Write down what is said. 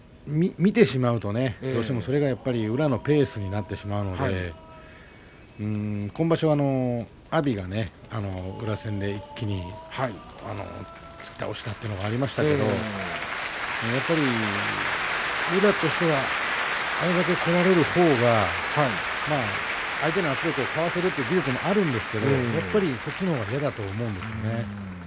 見てしまうとねどうしても宇良のペースになってしまうので今場所は阿炎が宇良戦で一気に突き倒したということがありましたけれども宇良としてはあれだけこられるほうが相手の圧力をかわせることもあるんですがそっちのほうが嫌だと思うんですね。